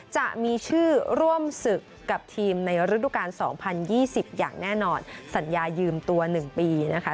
จะมีชื่อร่วมศึกกับทีมในฤดูกาล๒๐๒๐อย่างแน่นอนสัญญายืมตัว๑ปีนะคะ